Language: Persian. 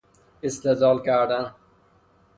استدلال کردن